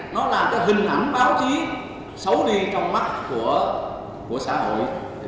nó làm cho hình ảnh báo chí xấu đi trong mắt của xã hội